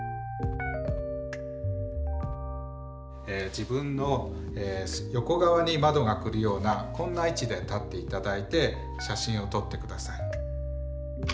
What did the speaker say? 自分の横側に窓がくるようなこんな位置で立っていただいて写真を撮ってください。